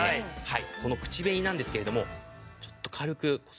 この口紅なんですけれどもちょっと軽くこすりますと。